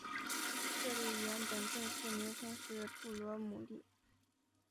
这里原本正式名称是布罗姆利。